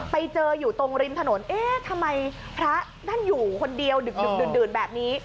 ไปเจออยู่ตรงริมถนนเอ๊ะทำไมพระท่านอยู่คนเดียวดึกดื่นแบบนี้